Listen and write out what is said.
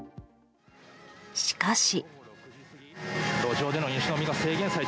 しかし。